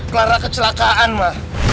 clara kecelakaan ma